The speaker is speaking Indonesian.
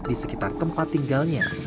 di sekitar tempat tinggalnya